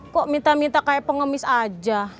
kok minta minta kayak pengemis aja